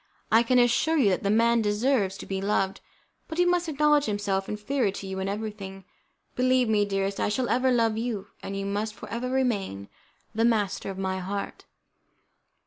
I can assure you that that man deserves to be loved, but he must acknowledge himself inferior to you in everything. Believe me, dearest, I shall ever love you, and you must for ever remain the master of my heart."